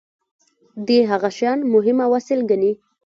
دي هغه شیان مهم او اصیل ګڼي.